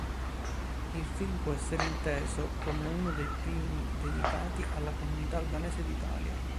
Il film può esser inteso come uno dei primi dedicati alla comunità albanese d'Italia.